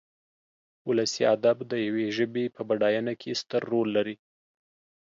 ولسي ادب د يوې ژبې په بډاينه کې ستر رول لري.